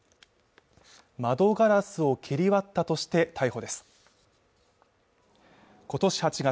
窓ガラスを蹴り割ったとして逮捕です今年８月